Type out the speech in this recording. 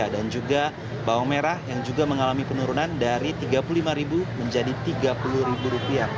dan juga bawang merah yang juga mengalami penurunan dari rp tiga puluh lima menjadi rp tiga puluh